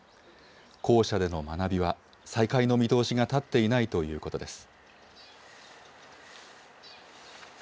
校舎での学びは再開の見通しが立っていないということです。